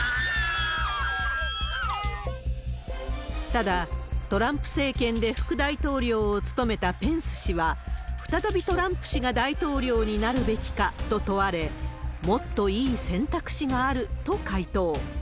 ただ、トランプ政権で副大統領を務めたペンス氏は、再びトランプ氏が大統領になるべきか？と問われ、もっといい選択肢があると回答。